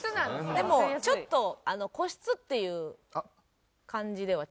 でもちょっと個室っていう感じではちょっと近い。